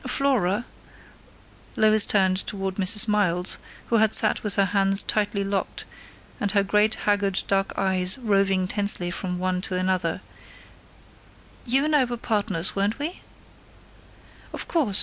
"Flora " Lois turned toward Mrs. Miles, who had sat with her hands tightly locked and her great haggard dark eyes roving tensely from one to another "you and I were partners, weren't we?... Of course!